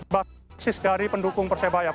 basis dari pendukung persebaya